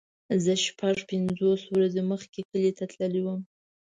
زه شپږ پنځوس ورځې مخکې کلی ته تللی وم.